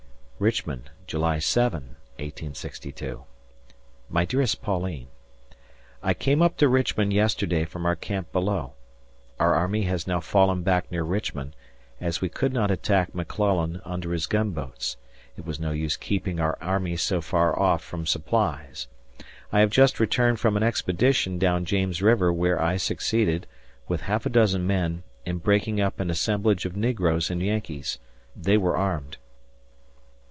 Richmond, July 7, 1862. My dearest Pauline: I came up to Richmond yesterday from our camp below. Our army has now fallen back near Richmond, as we could not attack McClellan under his gun boats, it was no use keeping our army so far off from supplies. ... I have just returned from an expedition down James River where I succeeded, with half a dozen men, in breaking up an assemblage of negroes and Yankees. They were armed.